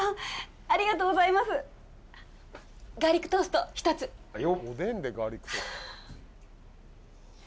ありがとうございますガーリックトースト１つはいよ